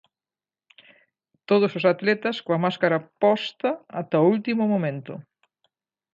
Todos os atletas coa máscara posta ata o último momento.